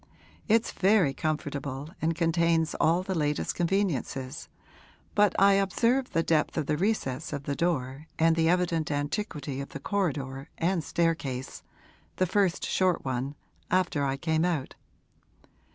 'It's very comfortable and contains all the latest conveniences, but I observed the depth of the recess of the door and the evident antiquity of the corridor and staircase the first short one after I came out.